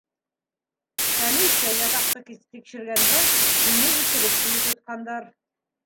Комиссия ятаҡты тикшергәндә, һине иҫерек көйө тотҡандар.